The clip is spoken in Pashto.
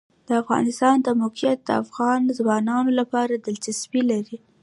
د افغانستان د موقعیت د افغان ځوانانو لپاره دلچسپي لري.